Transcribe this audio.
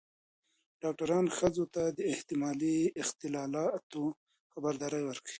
ډاکتران ښځو ته د احتمالي اختلالاتو خبرداری ورکوي.